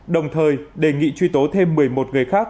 đồng thời đề nghị truy tố thêm một mươi một người khác